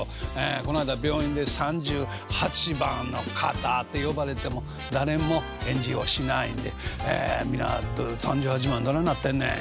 こないだ病院で「３８番の方」って呼ばれても誰も返事をしないんで皆「３８番どないなってんねん」